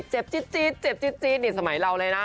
จี๊ดเจ็บจี๊ดนี่สมัยเราเลยนะ